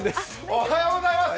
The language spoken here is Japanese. おはようございます。